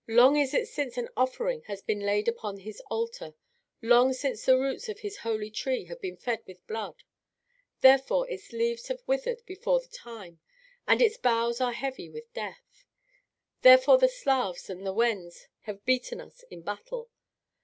Long is it since an offering has been laid upon his altar, long since the roots of his holy tree have been fed with blood. Therefore its leaves have withered before the time, and its boughs are heavy with death. Therefore the Slavs and the Wends have beaten us in battle.